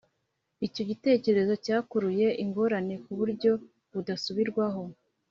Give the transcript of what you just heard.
icyo gitekerezo cyakuruye ingorane ku buryo bidasubirwaho.